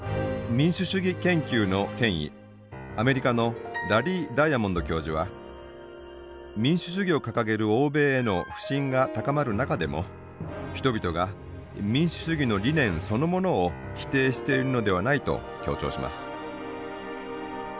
民主主義研究の権威アメリカのラリー・ダイアモンド教授は民主主義を掲げる欧米への不信が高まる中でも人々が民主主義の理念そのものを否定しているのではないと強調します。